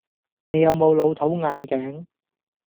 你有冇老土眼鏡?